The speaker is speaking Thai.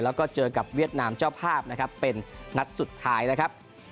แล้วก็เจอกับเวียดนามเจ้าภาพนะครับเป็นนัดสุดท้ายนะครับ